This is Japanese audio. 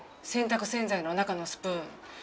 洗濯洗剤の中のスプーン。